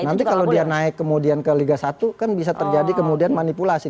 nanti kalau dia naik kemudian ke liga satu kan bisa terjadi kemudian manipulasi